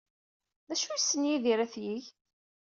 D acu ay yessen Yidir ad t-yeg?